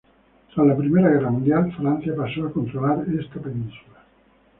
Tras la Primera Guerra Mundial Francia pasó a controlar esta península.